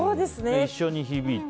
一緒に響いて。